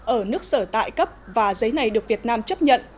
ở nước sở tại cấp và giấy này được việt nam chấp nhận